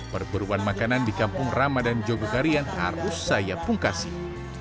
perburuan makanan di kampung ramadhan jogokarian harus saya pungkasih